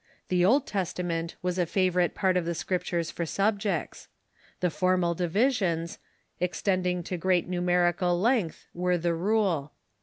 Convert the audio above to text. The Old Testament was a favor ite part of the Scriptures for subjects. The formal divisions, extending to great numerical length, were the rule.